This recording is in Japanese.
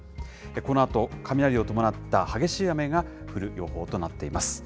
このあと、雷を伴った激しい雨が降る予報となっています。